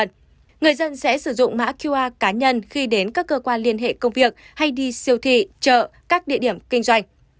người dân sẽ sử dụng mã qr cá nhân khi đến các cơ quan liên hệ công việc hay đi siêu thị chợ các địa điểm kinh doanh